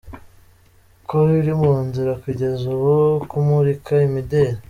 ko biri mu nzira Kugeza ubu kumurika imideli.